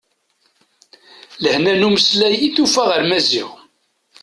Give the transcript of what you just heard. Lehna n umeslay i tufa ɣer Maziɣ.